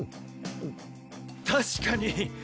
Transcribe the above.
確かに！